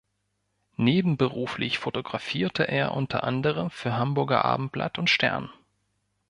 Nebenberuflich fotografierte er unter anderem für Hamburger Abendblatt und Stern.